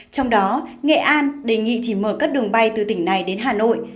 trong đó nghệ an đề nghị chỉ mở các đường bay từ tỉnh này đến hà nội